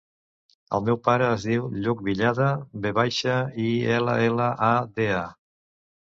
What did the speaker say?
El meu pare es diu Lluc Villada: ve baixa, i, ela, ela, a, de, a.